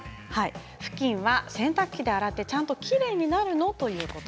ふきんは洗濯機で洗ってちゃんときれいになるの？ということ。